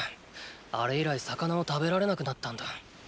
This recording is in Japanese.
あれ以来魚を食べられなくなったんだ。